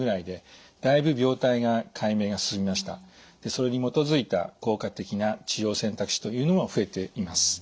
それに基づいた効果的な治療選択肢というのも増えています。